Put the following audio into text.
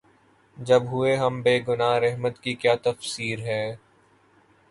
جب ہوئے ہم بے گنہ‘ رحمت کی کیا تفصیر ہے؟